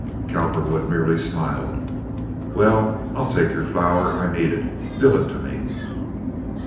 Cowperwood merely smiled. "Well, I'll take your flour. I need it. Bill it to me."